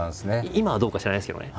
今はどうか知らないですけどね。